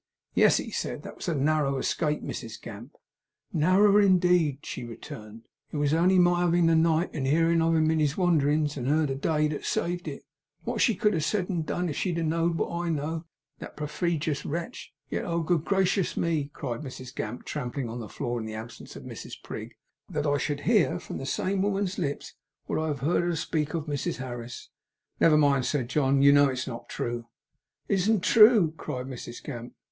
'Yes,' he said. 'That was a narrow escape, Mrs Gamp.' 'Narrer, in deed!' she returned. 'It was only my having the night, and hearin' of him in his wanderins; and her the day, that saved it. Wot would she have said and done, if she had know'd what I know; that perfeejus wretch! Yet, oh good gracious me!' cried Mrs Gamp, trampling on the floor, in the absence of Mrs Prig, 'that I should hear from that same woman's lips what I have heerd her speak of Mrs Harris!' 'Never mind,' said John. 'You know it is not true.' 'Isn't true!' cried Mrs Gamp.